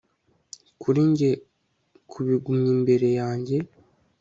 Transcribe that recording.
kuri njye kubigumya imbere yanjye